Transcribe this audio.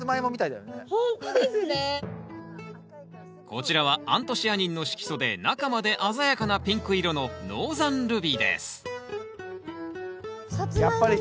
こちらはアントシアニンの色素で中まで鮮やかなピンク色のサツマイモみたい。